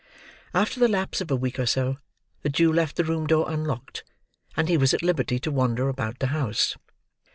After the lapse of a week or so, the Jew left the room door unlocked; and he was at liberty to wander about the house.